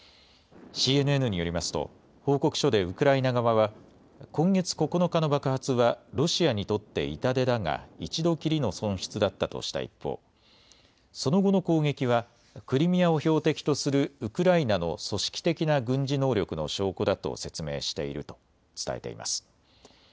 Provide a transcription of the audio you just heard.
ＣＮＮによりますと報告書でウクライナ側は今月９日の爆発はロシアにとって痛手だが一度きりの損失だったとした一方、その後の攻撃はクリミアを標的とするウクライナの組織的な軍事能力の証拠だと説明していると伝えています。